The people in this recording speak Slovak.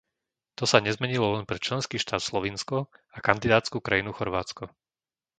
To sa nezmenilo len pre členský štát Slovinsko a kandidátsku krajinu Chorvátsko.